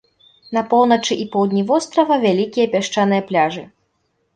На поўначы і поўдні вострава вялікія пясчаныя пляжы.